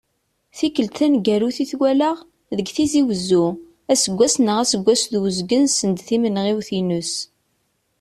Tikkelt taneggarut i t-walaɣ, deg Tizi Uzzu, aseggas neɣ aseggas d uzgen send timenɣiwt-ines.